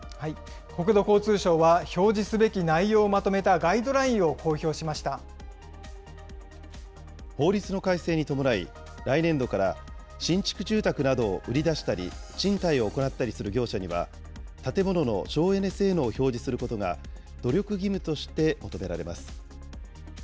国土交通省は、表示すべき内容をまとめたガイドラインを公表法律の改正に伴い、来年度から新築住宅などを売り出したり、賃貸を行ったりする業者には、建物の省エネ性能を表示することが、努力義務として求められます。